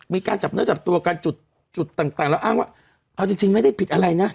มีการจับเนื้อจับตัวกันจุดต่างแล้วอ้างว่าเอาจริงไม่ได้ผิดอะไรนะ